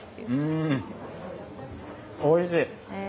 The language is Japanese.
おいしい。